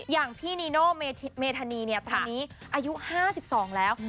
อย่างพี่นีโน่เมธานีเนี่ยตอนนี้อายุ๕๒แล้ว